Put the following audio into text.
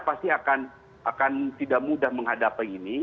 pasti akan tidak mudah menghadapi ini